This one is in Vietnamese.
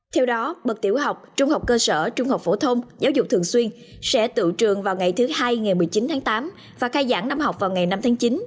theo đó bậc tiểu học trung học cơ sở trung học phổ thông giáo dục thường xuyên sẽ tự trường vào ngày thứ hai ngày một mươi chín tháng tám và khai giảng năm học vào ngày năm tháng chín